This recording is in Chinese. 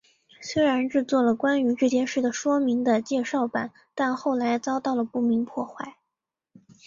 虽然制作了关于这件事的说明的介绍板但后来遭到了不明破坏。